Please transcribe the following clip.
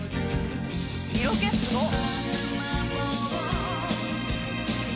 色気すごっ。